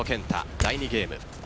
第２ゲーム。